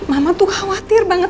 mama tuh khawatir banget